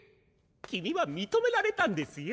君はみとめられたんですよ。